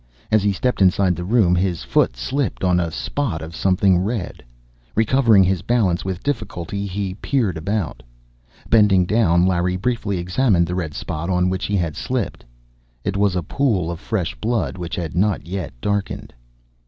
As he stepped inside the room, his foot slipped on a spot of something red. Recovering his balance with difficulty, he peered about. Bending down, Larry briefly examined the red spot on which he had slipped. It was a pool of fresh blood which had not yet darkened.